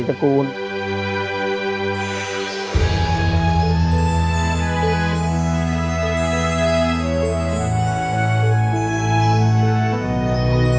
หรือไม่ก็เป็นหมวดขององค์ความรู้